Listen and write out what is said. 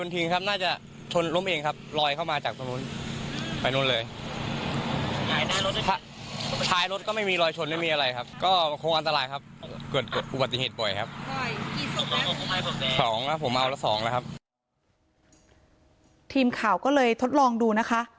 ทีมข่าวก็เลยทดลองดูนะคะ